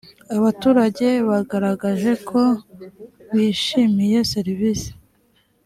abaturage bagaragaje ko bishimiye serivisi